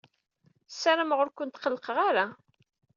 Ssarameɣ ur kent-qellqeɣ ara.